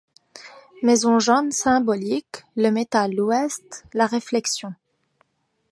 Maison Jaune Symbolique : le métal, l’ouest, la réflexion.